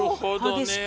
激しく。